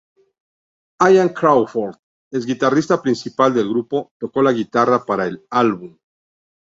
Ian Crawford, ex guitarrista principal del grupo, tocó la guitarra para el álbum.